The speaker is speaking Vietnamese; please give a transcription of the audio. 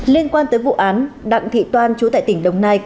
liên quan tới vụ án đặng thị toan chú tại tỉnh đồng nai